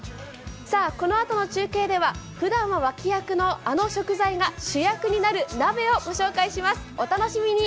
このあとの中継ではふだんは脇役のあの食材が主役になる鍋を御紹介します。